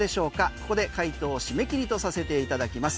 ここで解答締め切りとさせていただきます。